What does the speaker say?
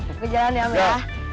aku jalan ya om ya